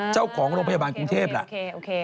เจ้าของโรงพยาบาลกรุงเทพล่ะ